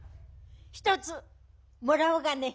１つもらおうかね。